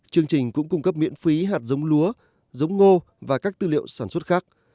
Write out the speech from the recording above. chương trình cũng cung cấp miễn phí hạt giống lúa giống ngô và các tư liệu sản xuất khác